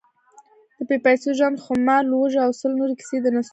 بې پیسو ژوند، خمار، لوږه… او سل نورې کیسې، د نستوه یو زړهٔ: